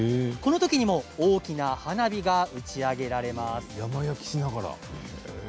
このときにも大きな花火が打ち上げられます。